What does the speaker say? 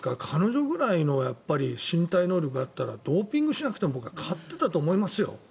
彼女ぐらいの身体能力があったらドーピングしなくても僕は勝ってたと思いますよ。